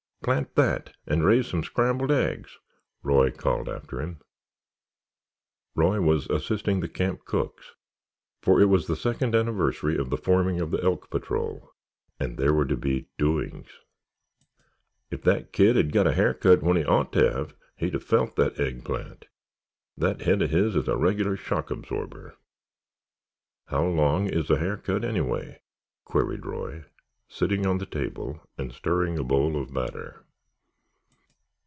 "Plant that and raise some scrambled eggs," Roy called after him. Roy was assisting the camp cooks, for it was the second anniversary of the forming of the Elk Patrol, and there were to be "doings." "If that kid had got a hair cut when he ought to have, he'd have felt that eggplant. That head of his is a regular shock absorber." "How long is a hair cut, anyway?" queried Roy, sitting on the table and stirring a bowl of batter.